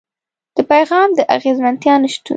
د پيغام د اغېزمنتيا نشتون.